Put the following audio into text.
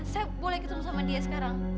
saya boleh ketemu sama dia sekarang